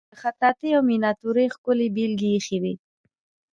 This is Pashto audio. د خطاطی او میناتوری ښکلې بیلګې ایښې وې.